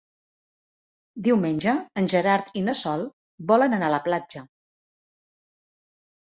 Diumenge en Gerard i na Sol volen anar a la platja.